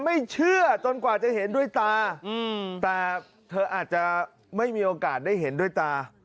ไม่เชื่อจนกว่าจะเห็นด้วยตาแต่เธออาจจะไม่มีโอกาสได้เห็นด้วยตา